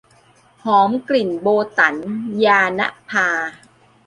หอมกลิ่นโบตั๋น - ญาณภา